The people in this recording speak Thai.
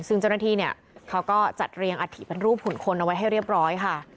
ซึ่งเจ้าหน้าที่เนี่ยเขาก็จัดเรียงอัฐิเป็นรูปหุ่นคนเอาไว้ให้เรียบร้อยค่ะ